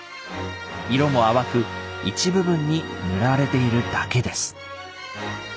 色も淡く一部分に塗られているだけです。